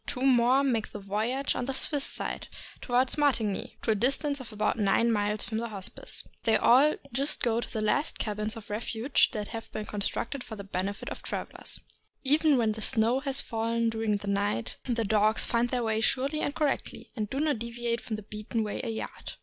Two more make the voyage on the Swiss side, toward Martigny, to a distance of about nine miles from the Hospice. They all go just to the last cabins of refuge that have been constructed for the benefit of travelers. Even when the snow has fallen during the night, the dogs find their way surely and correctly, and do not deviate from the beaten way a yard.